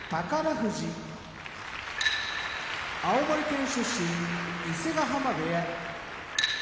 富士青森県出身伊勢ヶ濱部屋千代翔